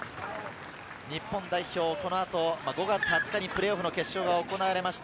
日本代表はこの後、５月２０日にプレーオフの決勝が行われます。